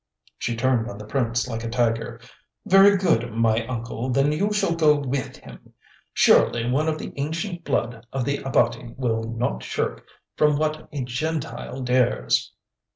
She turned on the Prince like a tiger. "Very good, my uncle, then you shall go with him. Surely one of the ancient blood of the Abati will not shirk from what a 'Gentile' dares."